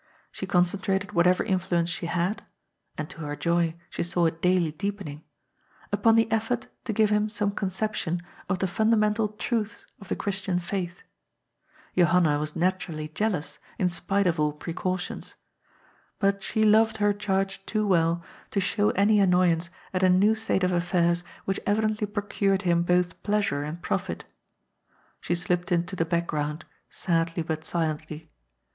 She concentrated whatever influence she had — and to her joy she 828 GOD*S POOL. saw it daily deepening — ^npon the effort to give him some conception of the fundamental truths of the Christian Faith. Johanna was naturally jealous, in spite of all pre* cautions. But she loved her charge too well to show any annoyance at a new state of affairs which evidently procured him both pleasure and profit. She slipped into the back* ground, sadly but silently.